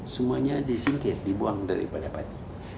semuanya disingkir dibuang daripada pati